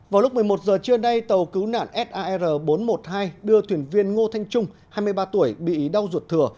vào lúc một mươi một giờ trưa nay tàu cứu nạn sar bốn trăm một mươi hai đưa thuyền viên ngô thanh trung hai mươi ba tuổi bị đau ruột thừa